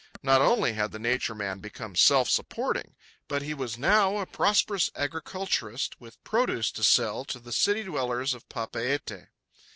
Not only had the Nature Man become self supporting, but he was now a prosperous agriculturist with produce to sell to the city dwellers of Papeete.